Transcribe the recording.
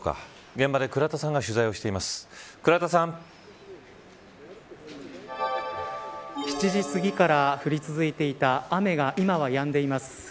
現場で倉田さんが７時すぎから降り続いていた雨が今は、やんでいます。